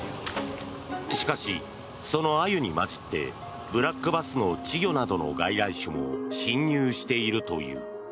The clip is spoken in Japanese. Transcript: しかし、そのアユに交じってブラックバスの稚魚などの外来種も侵入しているという。